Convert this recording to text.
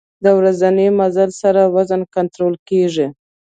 د ورځني مزل سره وزن کنټرول کېږي.